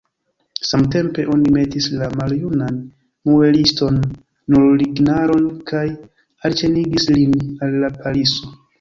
Samtempe oni metis la maljunan mueliston sur lignaron kaj alĉenigis lin al la paliso.